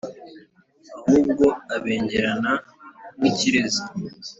ahubwo abengerana nk’ ikirezi,